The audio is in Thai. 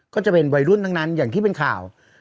ก็จะเป็นวัยรุ่นทั้งนั้นอย่างที่เป็นข่าว